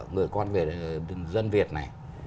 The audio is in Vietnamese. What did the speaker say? người con dân việt này